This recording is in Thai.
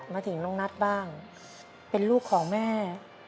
มาถึงน้องนัทบ้างเป็นลูกของแม่